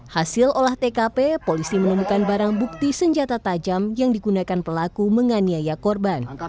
hasil olah tkp polisi menemukan barang bukti senjata tajam yang digunakan pelaku menganiaya korban